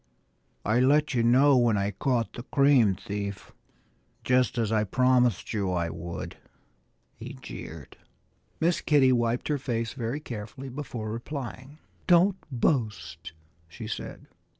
"I let you know when I caught the cream thief, just as I promised you I would," he jeered. Miss Kitty wiped her face very carefully before replying. "Don't boast!" she said.